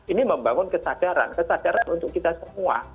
ini membangun kesadaran kesadaran untuk kita semua